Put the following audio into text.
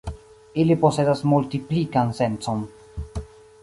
Ili posedas multiplikan sencon.